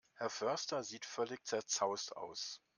Herr Förster sieht völlig zerzaust aus.